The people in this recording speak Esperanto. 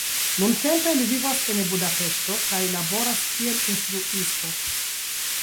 Nuntempe li vivas en Budapeŝto kaj laboras kiel instruisto.